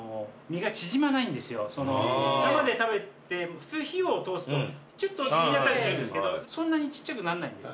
普通火を通すとキュッと縮んじゃったりするんですけどそんなにちっちゃくなんないんです。